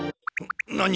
何？